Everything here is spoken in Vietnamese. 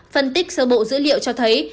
phân tích sở bộ dữ liệu cho thấy